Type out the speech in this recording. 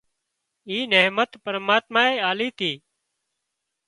اي نحمت پرماتمائي آلي تي